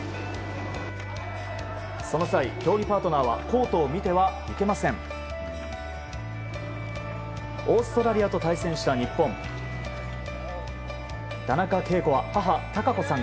その際、競技パートナーはコートを見てはいけません。